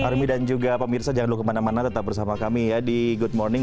pak armi dan juga pemirsa jangan dulu kemana mana tetap bersama kami ya di good morning